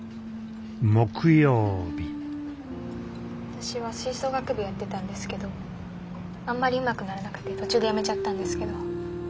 私は吹奏楽部やってたんですけどあんまりうまくならなくて途中でやめちゃったんですけど。